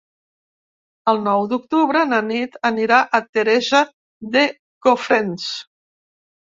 El nou d'octubre na Nit anirà a Teresa de Cofrents.